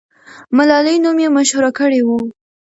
ملالۍ نوم یې مشهور کړی وو.